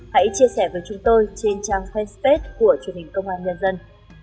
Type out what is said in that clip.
hãy chia sẻ với chúng tôi trên trang fanpage của truyền hình công an nhân dân